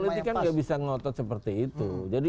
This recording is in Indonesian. kalau politik kan nggak bisa ngotot seperti itu